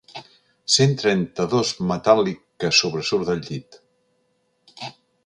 Cent trenta-dos metàl·lic que sobresurt del llit.